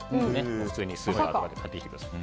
普通にスーパーで買ってきてください。